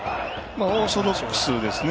オーソドックスですね。